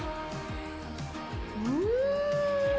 うん！